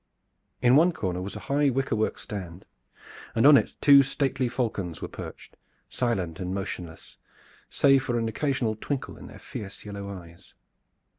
In one corner was a high wickerwork stand, and on it two stately falcons were perched, silent and motionless, save for an occasional twinkle of their fierce yellow eyes.